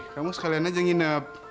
kamu sekalian aja nginep